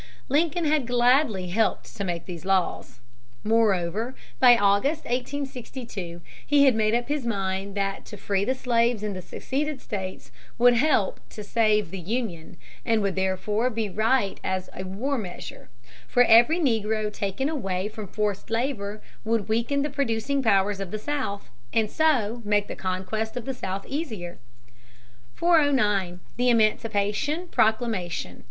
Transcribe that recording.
Lincoln had gladly helped to make these laws. Moreover, by August, 1862, he had made up his mind that to free the slaves in the seceded states would help "to save the Union" and would therefore be right as a "war measure." For every negro taken away from forced labor would weaken the producing power of the South and so make the conquest of the South easier. [Sidenote: Lincoln's warning, September, 1862.] [Sidenote: Emancipation Proclamation, January 1, 1863.